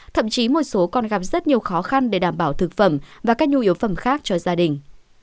thậm chí một số còn gặp rất nhiều khó khăn để đảm bảo thực phẩm và các nhu yếu phẩm khác cho gia đình